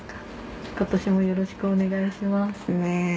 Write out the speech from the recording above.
今年もよろしくお願いします。